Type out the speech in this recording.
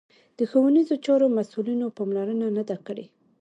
د ښوونیزو چارو مسوولینو پاملرنه نه ده کړې